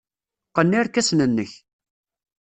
Qqen irkasen-nnek.